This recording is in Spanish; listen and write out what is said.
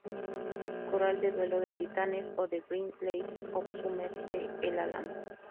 Corral" de "Duelo de titanes", o "The green leaves of summer" de "El Álamo".